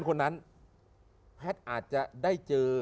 คนนั้นแพทย์อาจจะได้เจอ